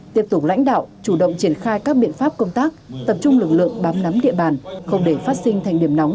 tiếp tục lãnh đạo chủ động triển khai các biện pháp công tác tập trung lực lượng bám nắm địa bàn không để phát sinh thành điểm nóng